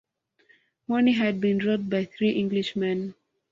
Morny had been robbed by three Englishmen.